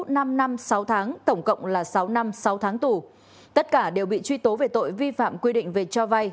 năm năm sáu tháng tổng cộng là sáu năm sáu tháng tù tất cả đều bị truy tố về tội vi phạm quy định về cho vay